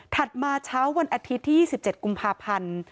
มาเช้าวันอาทิตย์ที่๒๗กุมภาพันธ์